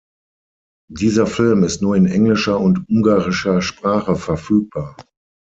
Dieser Film ist nur in englischer und ungarischer Sprache verfügbar.